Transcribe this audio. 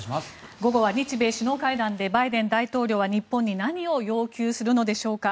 午後は日米首脳会談でバイデン大統領は日本に何を要求するのでしょうか。